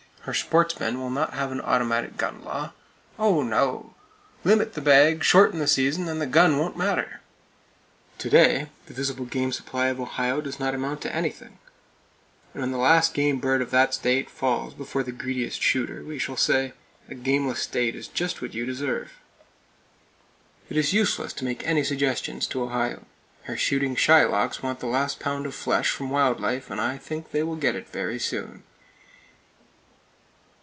Her "sportsmen" will not have an automatic gun law! Oh, no! "Limit the bag, shorten the season, and the gun won't matter!" To day, the visible game supply of Ohio does not amount to anything; and when the last game bird of that state falls before the greediest shooter, we shall say, "A gameless state is just what you deserve!" It is useless to make any suggestions to Ohio. Her shooting Shylocks want the last pound of flesh from wild life, and I think they will get it very soon.